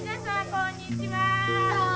こんにちは。